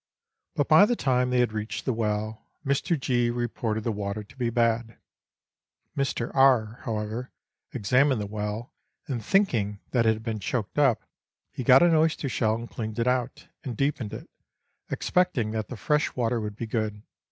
But by the time they had reached the well Mr. G . reported the water to be bad. Mr. R., however, examined the well, and thinking that it had been choked up, he got an oyster shell and cleaned it out, and deepened it ; expecting that the fresh water would be good.